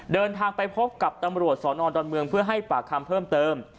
เดินทางไปพบกับตำรวจสอนอนดอนเมืองเพื่อให้ปากคำเพิ่มเติม